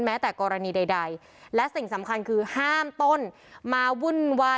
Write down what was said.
แม้แต่กรณีใดและสิ่งสำคัญคือห้ามต้นมาวุ่นวาย